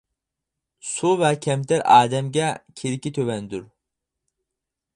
سۇ ۋە كەمتەر ئادەمگە كېرىكى تۆۋەندۇر.